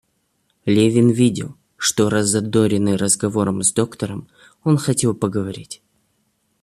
Левин видел, что, раззадоренный разговором с доктором, он хотел поговорить.